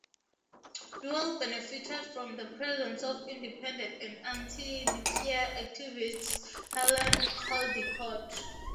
Newell benefited from the presence of independent and anti-nuclear activist Helen Caldicott.